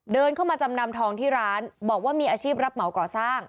เดินเข้ามาจำนำทองที่ร้านบอกว่ามีอาชีพรับเหมาก่อสร้าง